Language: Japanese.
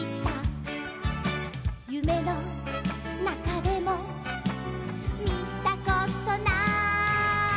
「ゆめのなかでもみたことない」